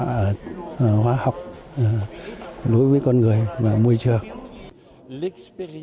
và hóa học đối với con người và môi trường đích